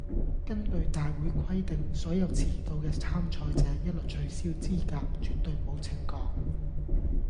根據大會規定，所有遲到嘅參賽者，一律取消資格，絕對冇情講